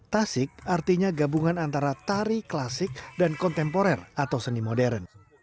tasik artinya gabungan antara tari klasik dan kontemporer atau seni modern